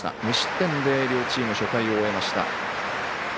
無失点で両チーム初回を終えました。